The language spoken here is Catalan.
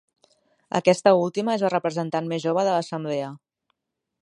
Aquesta última és la representant més jove de l'Assemblea.